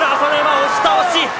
押し倒し。